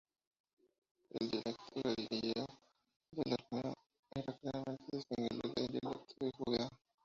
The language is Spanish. El dialecto galileo del arameo era claramente distinguible del dialecto de Judea.